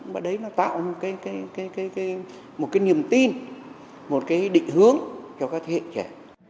và đấy nó tạo một cái niềm tin một cái định hướng cho các thế hệ trẻ